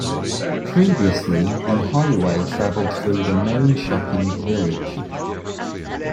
Previously the highway travelled through the main shopping village.